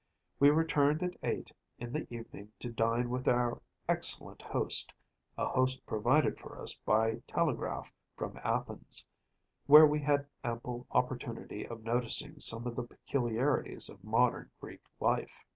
We returned at eight in the evening to dine with our excellent host‚ÄĒa host provided for us by telegraph from Athens‚ÄĒwhere we had ample opportunity of noticing some of the peculiarities of modern Greek life.